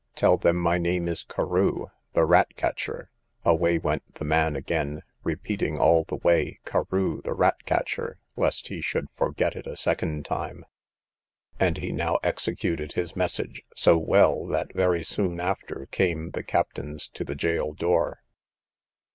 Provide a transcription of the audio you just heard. Tell them my name is Carew, the rat catcher; away went the man again, repeating all the way, Carew, the rat catcher, lest he should forget it a second time; and he now executed his message so well, that very soon after came the captains to the gaol door.